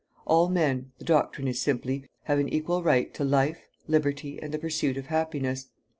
All men the doctrine is simply have an equal right to life, liberty, and the pursuit of happiness.